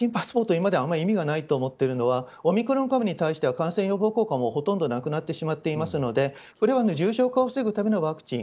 今ではあまり意味がないと思っているのはオミクロン株に対しては感染予防効果もほとんどなくなってしまっていますのでこれは重症化を防ぐためのワクチン。